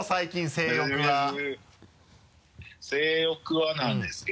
性欲はなんですけど。